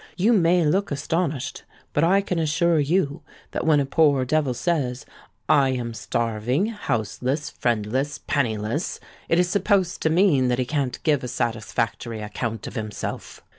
You may look astonished; but I can assure you that when a poor devil says, 'I am starving—houseless—friendless—pennyless,' it is supposed to mean that he can't give a satisfactory account of himself!